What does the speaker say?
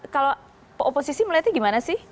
kalau oposisi melihatnya gimana sih